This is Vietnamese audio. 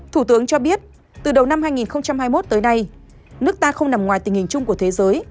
thủ tướng cho biết từ đầu năm hai nghìn hai mươi một tới nay nước ta không nằm ngoài tình hình chung của thế giới